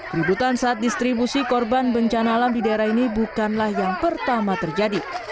keributan saat distribusi korban bencana alam di daerah ini bukanlah yang pertama terjadi